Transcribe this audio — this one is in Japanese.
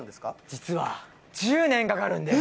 実は１０年かかるんです。